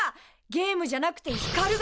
ゲームじゃなくてひかるが！